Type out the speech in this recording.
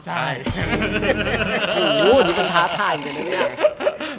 โหนี่เป็นถ้าถ่ายเหมือนกันเนี่ย